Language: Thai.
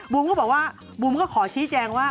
ก็บอกว่าบูมก็ขอชี้แจงว่า